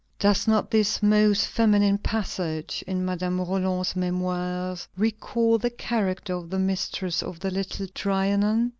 Does not this most feminine passage in Madame Roland's Memoirs recall the character of the mistress of the Little Trianon?